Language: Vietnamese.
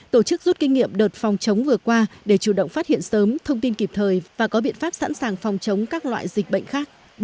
tổ chức rút kinh nghiệm đợt phòng chống vừa qua để chủ động phát hiện sớm thông tin kịp thời và có biện pháp sẵn sàng phòng chống các loại dịch bệnh khác